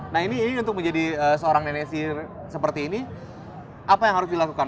nah ini untuk menjadi seorang nenek sihir seperti ini apa yang harus dilakukan